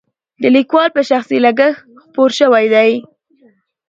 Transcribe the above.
د لیکوال په شخصي لګښت خپور شوی دی.